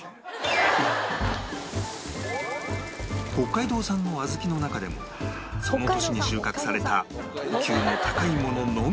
北海道産の小豆の中でもその年に収穫された等級の高いもののみを厳選